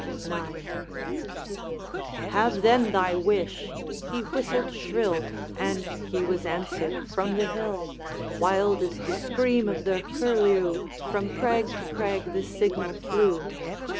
IX. 'Have then thy wish!' He whistled shrill And he was answered from the hill; Wild as the scream of the curlew, From crag to crag the signal flew.